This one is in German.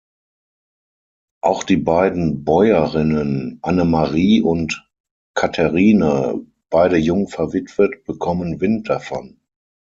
Auch die beiden Bäuerinnen Annemarie und Catherine, beide jung verwitwet, bekommen Wind davon.